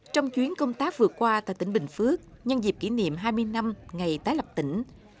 trong chuyến công tác vừa qua tại tỉnh bình phước nhân dịp kỷ niệm hai mươi năm ngày tái lập tỉnh